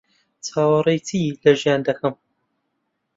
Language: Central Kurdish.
چاوەڕێی چی لە ژیان دەکەم؟